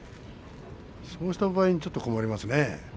そうした場合にちょっと困りますね。